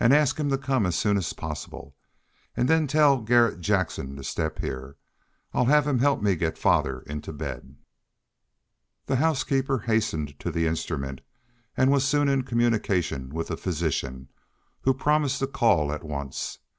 Ask him to come as soon as possible, and then tell Garret Jackson to step here. I'll have him help me get father into bed." The housekeeper hastened to the instrument, and was soon in communication with the physician, who promised to call at once.